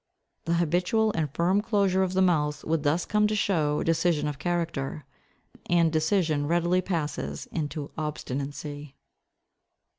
The habitual and firm closure of the mouth would thus come to show decision of character; and decision readily passes into obstinacy.